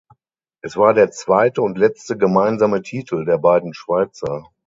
Es war der zweite und letzte gemeinsame Titel der beiden Schweizer.